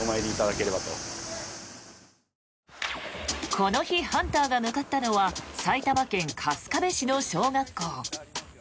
この日ハンターが向かったのは埼玉県春日部市の小学校。